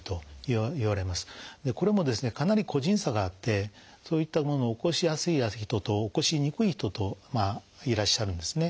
これもですねかなり個人差があってそういったものを起こしやすい人と起こしにくい人といらっしゃるんですね。